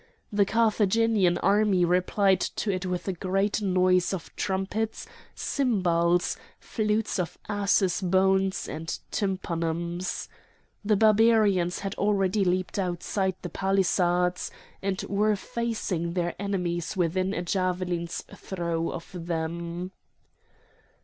The Carthaginian army replied to it with a great noise of trumpets, cymbals, flutes of asses' bones, and tympanums. The Barbarians had already leaped outside the palisades, and were facing their enemies within a javelin's throw of them.